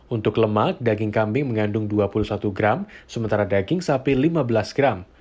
untuk lemak daging kambing mengandung dua puluh satu gram sementara daging sapi lima belas gram